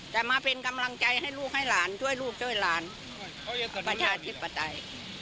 แต่มาเป็นกำลังใจให้ลูกให้หลานช่วยลูกช่วยหลานประชาธิปไตย